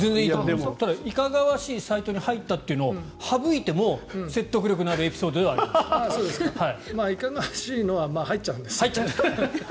いかがわしいサイトに入ったっていうのを省いても説得力のあるいかがわしいのは入っちゃうんですけど。